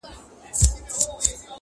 شپږ اووه شپې په ټول ښار کي وه جشنونه٫